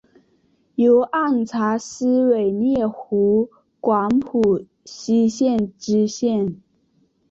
由按察司委摄湖广蒲圻县知县。